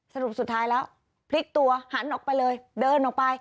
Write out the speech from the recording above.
สรุปสุดท้ายแล้วพลิกตัวหันออกไปเลยเดินออกไป